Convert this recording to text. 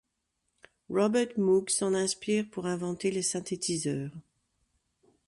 Robert Moog s’en inspire pour inventer le synthétiseur.